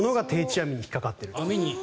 網に。